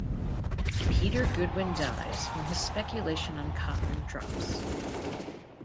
Peter Goodwin dies when his speculation on cotton drops.